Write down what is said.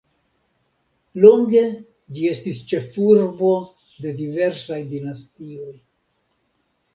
Longe ĝi estis ĉefurbo de diversaj dinastioj.